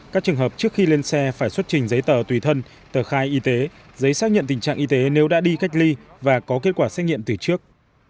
các trường hợp trước khi lên xe phải xuất trình giấy tờ tùy thân tờ khai y tế giấy xác nhận tình trạng y tế nếu đã đi cách ly và có kết quả xét nghiệm từ trước